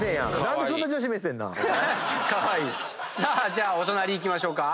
じゃあお隣いきましょうか。